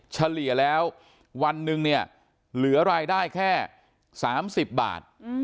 เฉลี่ยแล้ววันหนึ่งเนี่ยเหลือรายได้แค่๓๐บาท